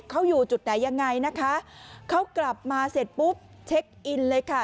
เขาอยู่จุดไหนยังไงนะคะเขากลับมาเสร็จปุ๊บเช็คอินเลยค่ะ